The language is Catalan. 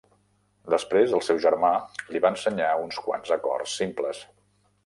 Després el seu germà li va ensenyar uns quants acords simples.